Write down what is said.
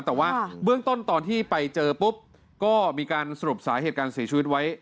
แต่ว่าเบื้องต้นตอนที่ไปเจอปุ๊บก็มีการสรุปสาเหตุการเสียชีวิตไว้